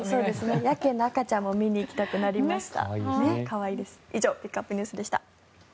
ヤケイの赤ちゃんも見に行きたくなりました。